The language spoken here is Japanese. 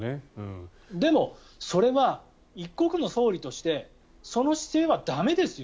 でも、それは一国の総理としてその姿勢は駄目ですよ